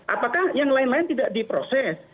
apakah yang lain lain tidak diproses